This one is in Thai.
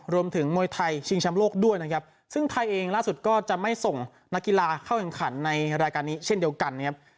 รวมถึงมวยไทยชิงแชมป์โลกด้วยนะครับซึ่งไทยเองล่าสุดก็จะไม่ส่งนักกีฬาเข้าแข่งขันในรายการนี้เช่นเดียวกันนะครับ